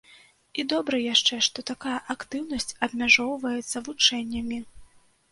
І добра яшчэ, што такая актыўнасць абмяжоўваецца вучэннямі.